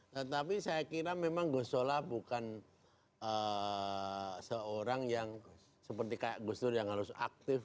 tetapi saya kira memang ghosnola bukan seorang yang seperti kayak gustur yang harus aktif